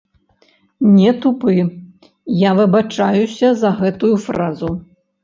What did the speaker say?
Не тупы, я выбачаюся за гэтую фразу.